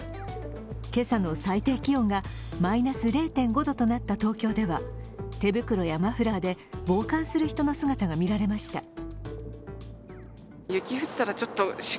今朝の最低気温がマイナス０．５度となった東京では手袋やマフラーで防寒する人の姿が見られました。